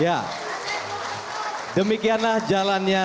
ya demikianlah jalannya